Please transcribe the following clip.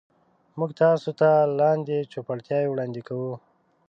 موږ تاسو ته لاندې چوپړتیاوې وړاندې کوو.